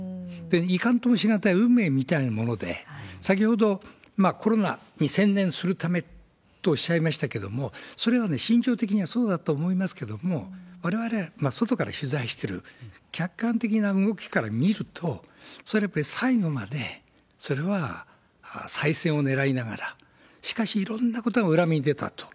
いかんともしがたい運命みたいなもので、先ほどコロナに専念するためとおっしゃいましたけれども、それは慎重的にはそうだと思いますけども、われわれは外から取材してる、客観的な動きから見ると、それはやっぱり最後まで、それは再選をねらいながら、しかしいろんなことが裏目に出たと。